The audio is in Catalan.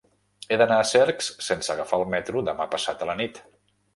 He d'anar a Cercs sense agafar el metro demà passat a la nit.